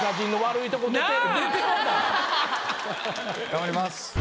頑張ります。